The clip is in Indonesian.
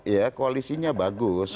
ya koalisinya bagus